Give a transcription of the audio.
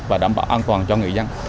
và đảm bảo an toàn cho người dân